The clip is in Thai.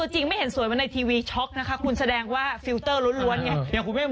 หรือทำไมในทีวีสวยกว่าตัวจริงคะ